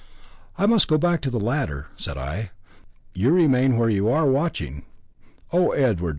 "I must go back to the ladder," said I; "you remain where you are, watching." "Oh, Edward!